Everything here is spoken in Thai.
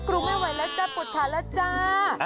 ครูไม่ไหวแล้วจ้ปวดขาแล้วจ้า